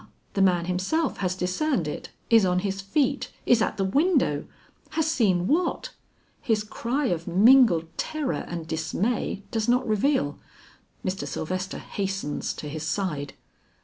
the man himself has discerned it, is on his feet, is at the window, has seen what? His cry of mingled terror and dismay does not reveal. Mr. Sylvester hastens to his side.